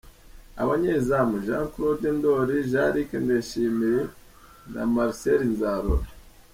Abanyezamu: Jean Claude Ndori, Jean Luc Ndayishimiye and Marcel Nzarora;.